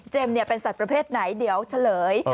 เป็นสัตว์ประเภทไหนเดี๋ยวเฉลย